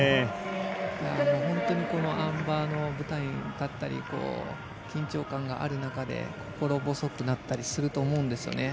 あん馬の舞台に立ったり緊張感がある中で心細くなったりすると思うんですよね。